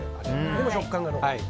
でも食感が残ってる。